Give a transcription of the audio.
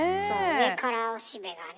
上からおしべがね。